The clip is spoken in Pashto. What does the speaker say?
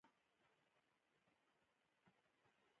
د کابل سیند د افغانستان د جغرافیایي موقیعت پایله ده.